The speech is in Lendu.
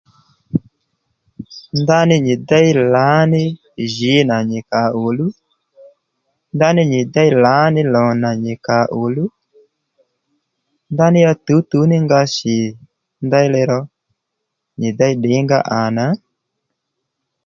Ndaní nyì déy lǎní jǐ nà nyì kà ò luw ndaní nyì déy lǎní lò nà nyi kà ò luw ndaní ya tǔwtǔw ní nga shì ndèyli ró nyi déy ddìnga à nà